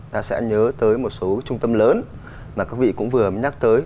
ta sẽ nhớ tới một số trung tâm lớn mà các vị cũng vừa nhắc tới